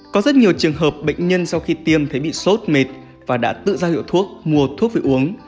có rất nhiều trường hợp bệnh nhân sau khi tiêm thấy bị sốt mệt và đã tự ra hiệu thuốc mua thuốc về uống